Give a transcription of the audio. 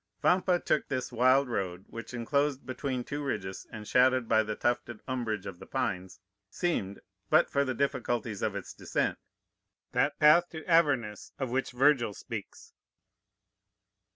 Vampa took this wild road, which, enclosed between two ridges, and shadowed by the tufted umbrage of the pines, seemed, but for the difficulties of its descent, that path to Avernus of which Virgil speaks.